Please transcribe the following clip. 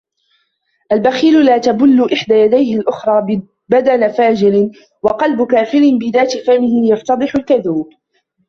البخيل لا تَبُلُّ إحدى يديه الأخرى بدن فاجر وقلب كافر بذات فمه يفتضح الكذوب